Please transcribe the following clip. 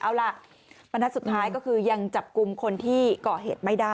เอาล่ะบรรทัศน์สุดท้ายก็คือยังจับกลุ่มคนที่ก่อเหตุไม่ได้